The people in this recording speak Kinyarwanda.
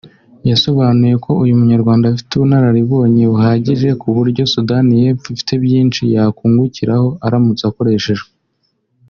yasobanuye ko uyu munyarwanda afite ubunararibonye buhagije kuburyo Sudani y’Epfo ifite byinshi yakungukiraho aramutse akoreshejwe